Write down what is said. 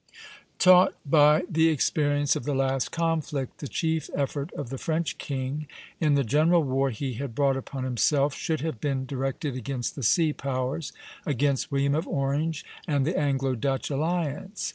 Taught by the experience of the last conflict, the chief effort of the French king, in the general war he had brought upon himself, should have been directed against the sea powers, against William of Orange and the Anglo Dutch alliance.